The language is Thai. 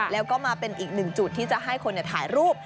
แล้วก็มาเป็นอีกหนึ่งจุดที่จะให้คนถ่ายรูป